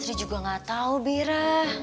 sri juga nggak tahu bira